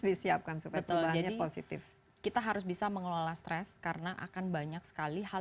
disiapkan supaya perubahannya positif kita harus bisa mengelola stres karena akan banyak sekali hal